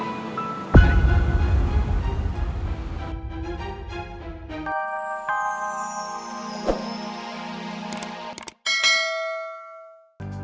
terima kasih pak